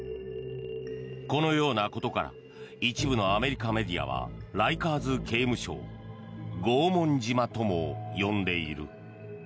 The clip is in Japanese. このようなことから一部のアメリカメディアはライカーズ刑務所を拷問島とも呼んでいる。